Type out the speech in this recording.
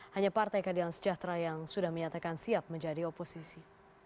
hanya partai keadilan sejahtera yang sudah menyatakan siap menjadi oposisi